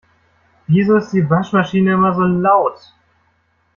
Wieso ist die Waschmaschine immer so laut?